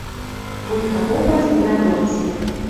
Вуйта попа стеня дорц: